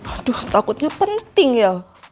aduh takutnya penting ya